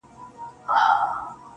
ستا تر ځوانۍ بلا گردان سمه زه